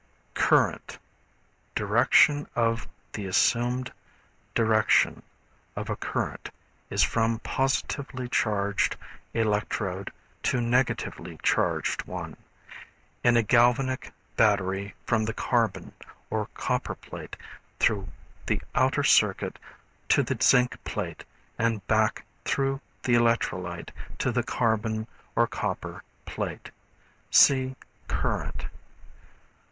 Current, Direction of. The assumed direction of a current is from positively charged electrode to negatively charged one; in a galvanic battery from the carbon or copper plate through the outer circuit to the zinc plate and back through the electrolyte to the carbon or copper plate. (See Current.)